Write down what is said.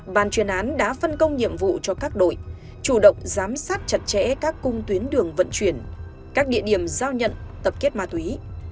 bàn chuyên án đã phân công nhiệm vụ cho các đội chủ động giám sát chặt chẽ các cung tuyến đường vận chuyển các địa điểm giao nhận tập kết ma túy